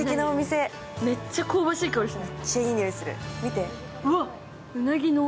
めっちゃ香ばしい香りがしてる。